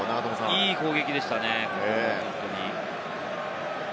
いい攻撃でしたね、本当に。